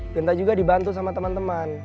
minta juga dibantu sama teman teman